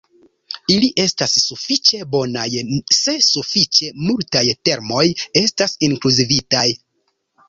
Ili estas sufiĉe bonaj se sufiĉe multaj termoj estas inkluzivitaj.